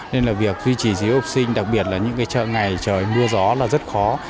nên là việc duy trì giới học sinh đặc biệt là những cái chợ ngày trời mưa gió là rất khó